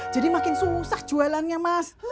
jadi makin susah jualannya mas